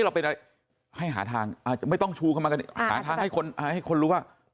เราเป็นอะไรให้หาทางอาจจะไม่ต้องชูเข้ามากันหาทางให้คนให้คนรู้ว่า